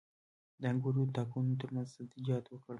د انګورو د تاکونو ترمنځ سبزیجات وکرم؟